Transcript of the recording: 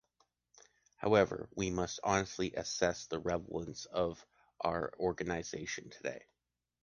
However, we must honestly assess the relevance of our Organization today.